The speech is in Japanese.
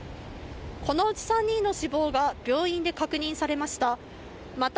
このうち３人の死亡が、病院で確認されました。